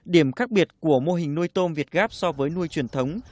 điểm khác biệt của mô hình nuôi tôm việt gáp so với nuôi truyền thống